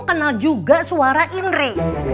kenal juga suara indri